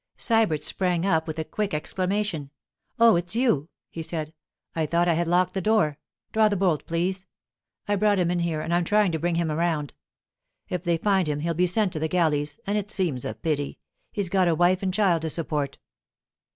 Sybert sprang up with a quick exclamation. 'Oh, it's you!' he said. 'I thought I had locked the door. Draw the bolt, please. I brought him in here and I'm trying to bring him round. If they find him he'll be sent to the galleys, and it seems a pity. He's got a wife and child to support.